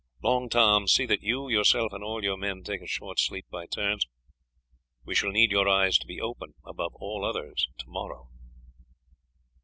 Long Tom, see that you yourself and all your men take a short sleep by turns; we shall need your eyes to be open above all others to morrow."